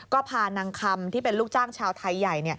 ก็พานางคำที่เป็นลูกจ้างชาวไทยใหญ่